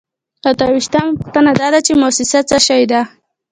اته ویشتمه پوښتنه دا ده چې موسسه څه شی ده.